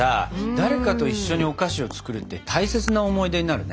誰かと一緒にお菓子を作るって大切な思い出になるね！